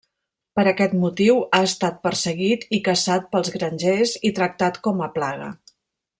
Per aquest motiu ha estat perseguit i caçat pels grangers i tractat com a plaga.